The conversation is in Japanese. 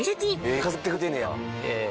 飾ってくれてんねや。